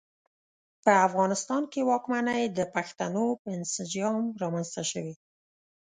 په افغانستان کې واکمنۍ د پښتنو په انسجام رامنځته شوې.